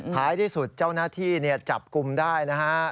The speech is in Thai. ท้ายที่สุดเจ้าหน้าที่จับกลุ่มได้นะฮะ